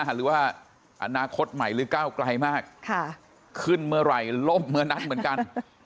หรือว่าอนาคตใหม่หรือก้าวไกลมากขึ้นเมื่อไหร่ล่มเมื่อนั้นเหมือนกัน